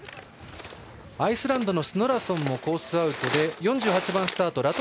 アイスランドのスノラソンも途中棄権で４８番スタート